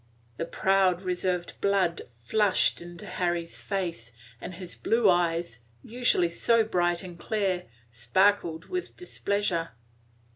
The proud, reserved blood flushed into Harry's face, and his blue eyes, usually so bright and clear, sparkled with displeasure.